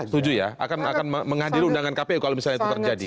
setuju ya akan menghadiri undangan kpu kalau misalnya itu terjadi